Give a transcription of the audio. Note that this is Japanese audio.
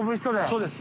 そうです。